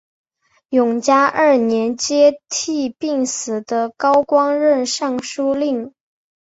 永嘉二年接替病死的高光任尚书令。